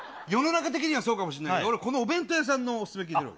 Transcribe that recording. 世の中的にはそうかもしれないけど、俺、このお弁当屋さんのお勧め聞いてるんです。